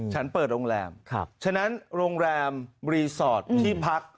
ฉันเปิดโรงแรมฉะนั้นโรงแรมรีสอร์ทที่พัก